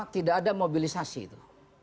tidak ada mobilisasi itu